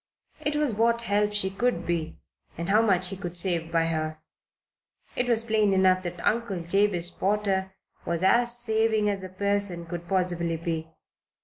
It was what help she could be and how much he could save by her. It was plain enough that Uncle Jabez Potter was as saving as a person could possibly be.